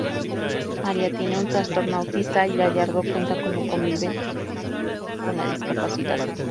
María tiene un trastorno autista y Gallardo cuenta como conviven con la discapacidad.